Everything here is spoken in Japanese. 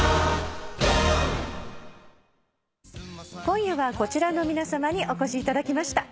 今夜はこちらの皆さまにお越しいただきました。